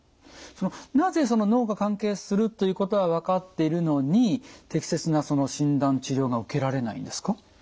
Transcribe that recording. なぜその脳が関係するということは分かっているのに適切な診断治療が受けられないんですか？